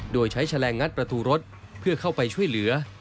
โดยใช้แฉลงงัดประตูรถเพื่อเข้าไปช่วยเหลือ